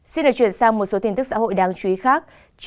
xin được chuyển sang một số tin tức xã hội đáng chú ý khác